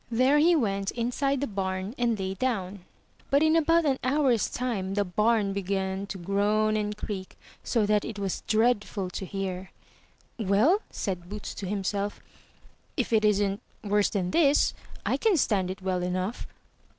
There he went inside the barn and lay down; but in about an hour's time the bam began to groan and creak, so that it was dreadful to hear. "Well," said Boots to himself, "if it isn't worse than this, I can stand it well enough."